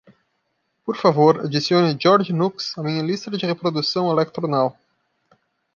por favor adicione george nooks à minha lista de reprodução electronow